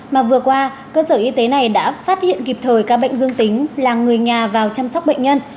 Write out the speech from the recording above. mà vừa qua cơ sở y tế này đã phát hiện kịp thời ca bệnh dương tính là người nhà vào chăm sóc bệnh nhân